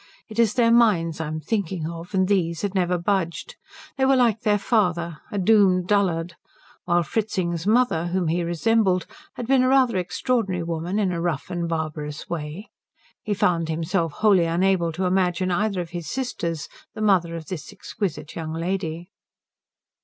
It is their minds I am thinking of, and these had never budged. They were like their father, a doomed dullard; while Fritzing's mother, whom he resembled, had been a rather extraordinary woman in a rough and barbarous way. He found himself wholly unable to imagine either of his sisters the mother of this exquisite young lady.